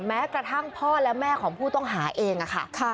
แม้กระทั่งพ่อและแม่ของผู้ต้องหาเองค่ะ